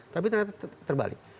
tapi ternyata terbalik